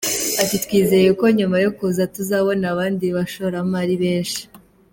At :”Twizeye ko nyuma yo kuza tuzabona abandi bashoramari benshi”.